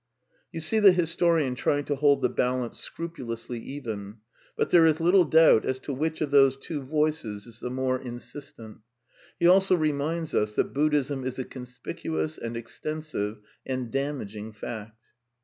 "*® CONCLUSIONS 323 You see the historian trying to hold the balance scrupu lously even; but there is little doubt as to which of those two voices is the more insistent. He also reminds us that Buddhism is a conspicuous and extensive and damaging fact.